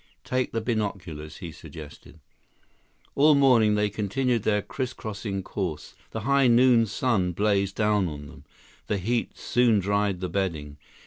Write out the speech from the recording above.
Take the binoculars," he suggested. All morning they continued their crisscrossing course. The high noon sun blazed down on them. The heat soon dried the bedding.